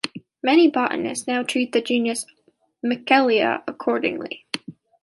Many botanists now treat the genus "Michelia" accordingly.